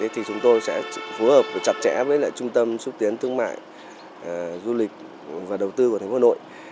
thì chúng tôi sẽ phù hợp chặt chẽ với lại trung tâm xuất tiến thương mại du lịch và đầu tư của thành phố hà nội